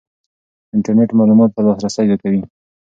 انټرنېټ معلوماتو ته لاسرسی زیاتوي.